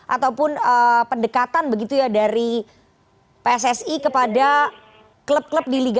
ataupun pendekatan begitu ya dari pssi kepada klub klub di liga satu